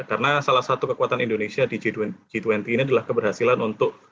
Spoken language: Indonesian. karena salah satu kekuatan indonesia di g dua puluh ini adalah keberhasilan untuk